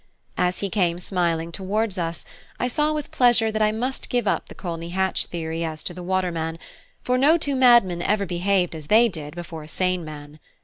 As he came up smiling towards us, I saw with pleasure that I must give up the Colney Hatch theory as to the waterman, for no two madmen ever behaved as they did before a sane man.